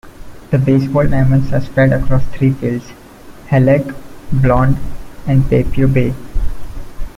The baseball diamonds are spread across three fields: Halleck, Blonde, and Papio Bay.